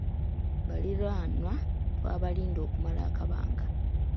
Baliraanwa twabalinda okumala akabanga.